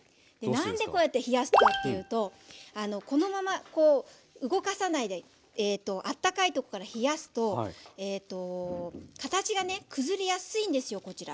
何でこうやって冷やすかというとこのままこう動かさないでえっとあったかいとこから冷やすとえっと形がね崩れやすいんですよこちら。